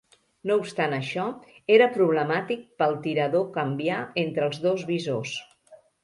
No obstant això, era problemàtic pel tirador canviar entre els dos visors.